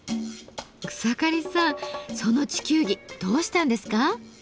草刈さんその地球儀どうしたんですか？